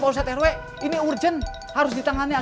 pak usat rw ini urgent harus destroy klik